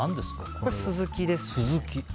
これはスズキですね。